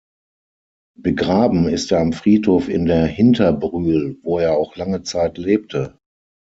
Begraben ist er am Friedhof in der Hinterbrühl, wo er auch lange Zeit lebte.